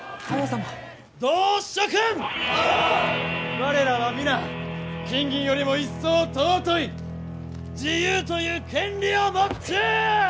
我らは皆金銀よりも一層尊い自由という権利を持っちゅう！